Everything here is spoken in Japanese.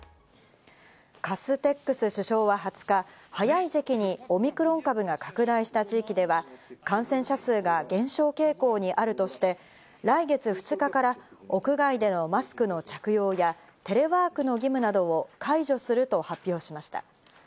カステックス首相は２０日、早い時期にオミクロン株が拡大した地域では感染者数が減少傾向にあるとして、来月２日から屋外でのマスクの着用やテレワークの義務などを解除すると発表しました。